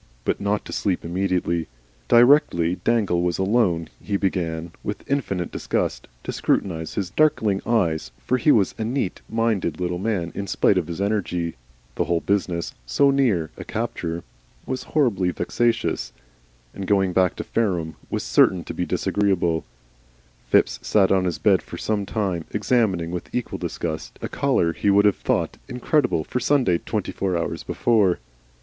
But not to sleep immediately. Directly Dangle was alone he began, with infinite disgust, to scrutinise his darkling eye, for he was a neat minded little man in spite of his energy. The whole business so near a capture was horribly vexatious. Phipps sat on his bed for some time examining, with equal disgust, a collar he would have thought incredible for Sunday twenty four hours before.